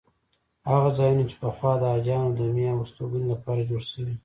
هغه ځایونه چې پخوا د حاجیانو دمې او استوګنې لپاره جوړ شوي.